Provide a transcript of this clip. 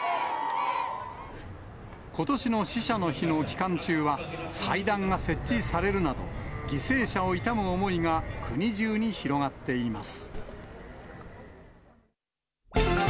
ことしの死者の日の期間中は、祭壇が設置されるなど、犠牲者を悼む思いが国中に広がっています。